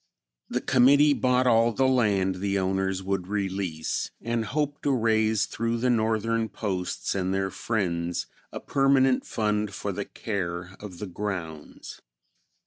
The committee bought all the land the owners would release and hoped to raise through the Northern posts and their friends a permanent fund for the care of the grounds.